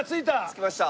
着きました。